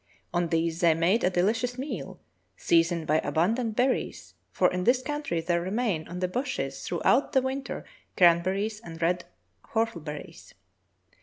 On these they made a delicious meal, seasoned by abundant berries, for in this country there remain on the bushes throughout the winter cranber ries and red whortleberries.